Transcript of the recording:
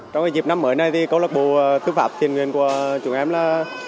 trong dịp năm mới này thì câu lạc bộ thư pháp thiền nguyện của chúng em là